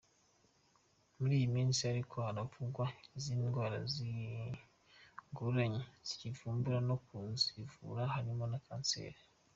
Muri iyi minsi ariko haravugwa izindi ndwara zigoranye kuzivumbura no kuzivura harimo na kanseri.